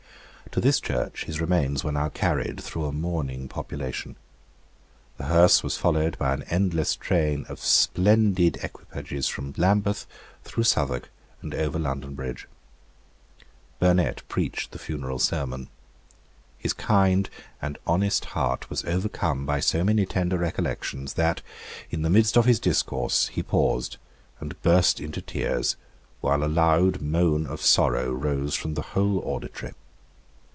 To this church his remains were now carried through a mourning population. The hearse was followed by an endless train of splendid equipages from Lambeth through Southwark and over London Bridge. Burnet preached the funeral sermon. His kind and honest heart was overcome by so many tender recollections that, in the midst of his discourse, he paused and burst into tears, while a loud moan of sorrow rose from the whole auditory.